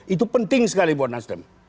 itu penting sekali buat nasdem